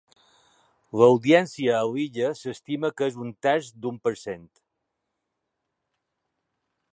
L'audiència a l'illa s'estima que és un terç d'un per cent.